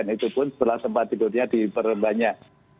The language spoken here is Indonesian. itu pun sebelah tempat tidurnya diperbanyak